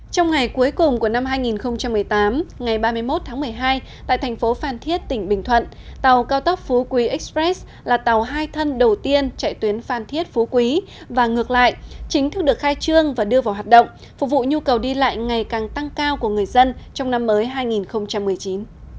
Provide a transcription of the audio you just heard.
trong ngày cuối cùng của năm hai nghìn một mươi tám ngày ba mươi một tháng một mươi hai tại thành phố phan thiết tỉnh bình thuận tàu cao tốc phú quý express là tàu hai thân đầu tiên chạy tuyến phan thiết phú quý và ngược lại chính thức được khai trương và đưa vào hoạt động phục vụ nhu cầu đi lại ngày càng tăng cao của người dân trong năm mới hai nghìn một mươi chín